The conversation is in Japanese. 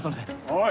・おい